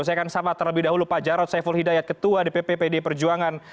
saya akan sama terlebih dahulu pak jarod saiful hidayat ketua dpp pd perjuangan